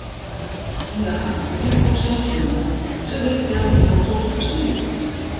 Hja hat noch nea in korset sjoen, se wist sels net dat soks bestie.